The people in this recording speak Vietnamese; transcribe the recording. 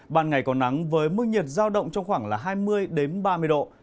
bàn ngày có nắng với mưa nhiệt giao động trong khoảng hai mươi ba mươi độ